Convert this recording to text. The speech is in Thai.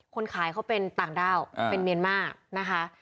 คนขายเขาเป็นต่างด้าวเป็นเมียนมาร์นะคะ